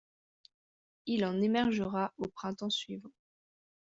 Il en émergera au printemps suivant.